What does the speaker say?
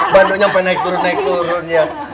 bandoknya sampai naik turun naik turun